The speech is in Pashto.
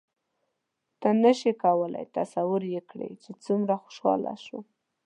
ته نه شې کولای تصور یې کړې چې څومره خوشحاله شوم.